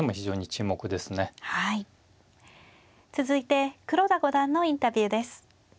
続いて黒田五段のインタビューです。